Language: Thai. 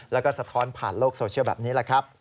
แล้วก็สะท้อนผ่านโลกโซเชียลแบบนี้แหละครับ